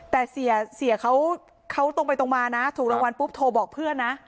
แต่เสียเขาตรงไปตรงมานะถูกรางวัลปุ๊บโทรบอกเพื่อนนะ